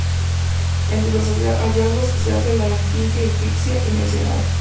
Entre los hallazgos se halló la esfinge egipcia ya mencionada.